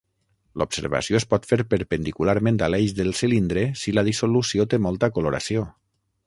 L'observació es pot fer perpendicularment a l'eix del cilindre si la dissolució té molta coloració.